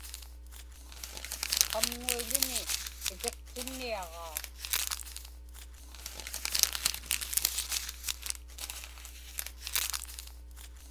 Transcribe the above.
Qamŋuiḷuni itiqtinniaġaa.